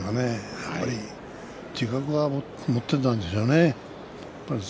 やはり自覚を持ってたんでしょうね。